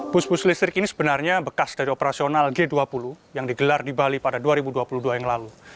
bus bus listrik ini sebenarnya bekas dari operasional g dua puluh yang digelar di bali pada dua ribu dua puluh dua yang lalu